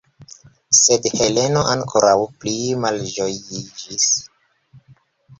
Sed Heleno ankoraŭ pli malĝojiĝis.